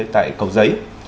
tại cầu giấy